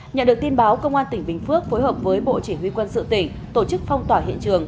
nhận được tin báo công an tỉnh bình phước phối hợp với bộ chỉ huy quân sự tỉnh tổ chức phong tỏa hiện trường